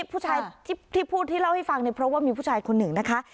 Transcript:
ผู้ชายที่พูดที่เล่าให้ฟังเนี่ยเพราะว่ามีผู้ชายคนหนึ่งนะคะ